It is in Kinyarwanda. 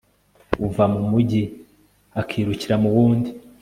uva mu mugi akirukira mu wundi